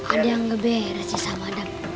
ada yang ngeberes sih sama adam